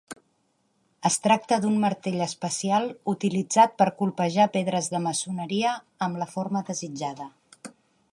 Es tracta d'un martell especial utilitzat per colpejar pedres de maçoneria amb la forma desitjada.